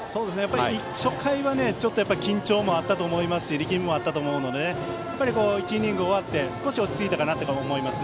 初回は、ちょっと緊張もあったと思いますし力みもあったと思うので１イニング終わって少し落ち着いたかなと思います。